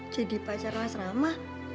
jadi pacar wasrama